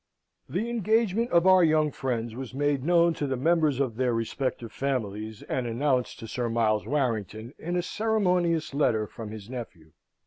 The engagement of our young friends was made known to the members of their respective families, and announced to Sir Miles Warrington, in a ceremonious letter from his nephew.